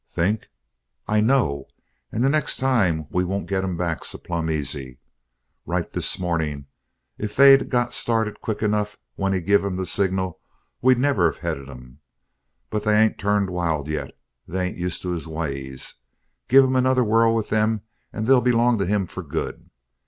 "Think? I know! And the next time we won't get 'em back so plumb easy. Right this morning, if they'd got started quick enough when he give 'em the signal, we'd never of headed 'em. But they ain't turned wild yet; they ain't used to his ways. Give him another whirl with them and they'll belong to him for good.